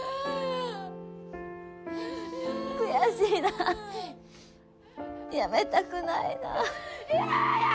悔しいなあやめたくないなあ。